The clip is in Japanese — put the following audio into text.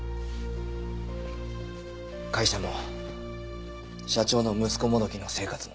会社も社長の息子もどきの生活も。